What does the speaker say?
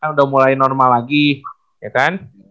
udah mulai normal lagi ya kan